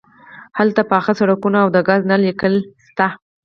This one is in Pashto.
هلته پاخه سړکونه او د ګاز نل لیکې شته